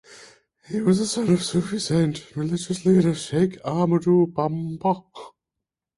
He was the son of Sufi saint and religious leader Sheikh Amadou Bamba.